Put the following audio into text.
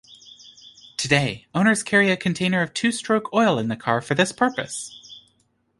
Today, owners carry a container of two-stroke oil in the car for this purpose.